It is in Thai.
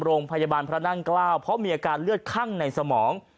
โรงพยาบาลพระนั่งเกล้าเพราะมีอาการเลือดคั่งในสมอง